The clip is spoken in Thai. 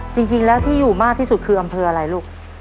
จริงแล้วที่อยู่มากที่สุดคืออำเภออะไรลูก